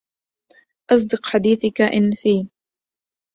اصدق حديثك إن في